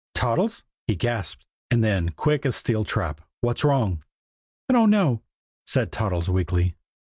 "Toddles!" he gasped; and then, quick as a steel trap: "What's wrong?" "I don't know," said Toddles weakly.